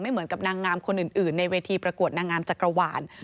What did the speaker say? เหมือนกับนางงามคนอื่นในเวทีประกวดนางงามจักรวาล